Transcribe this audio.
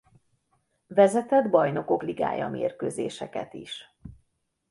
Vezetett Bajnokok Ligája-mérkőzéseket is.